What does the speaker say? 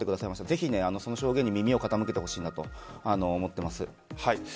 ぜひその証言に耳を傾けてほしいと思っています。